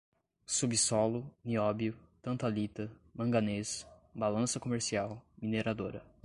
subsolo, nióbio, tantalita, manganês, balança comercial, mineradora